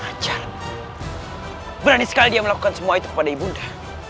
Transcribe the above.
biar berani sekali melakukan semua itu pada ibunda